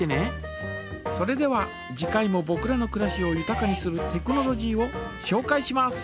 それでは次回もぼくらのくらしをゆたかにするテクノロジーをしょうかいします。